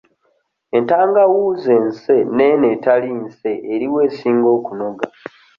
Entangawuuzi ense n'eno etali nse eriwa esinga okunoga?